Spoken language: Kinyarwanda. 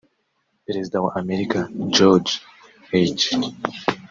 perezida wa Amerika George H